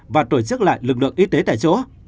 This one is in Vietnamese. và tổ chức lại lực lượng y tế tại chỗ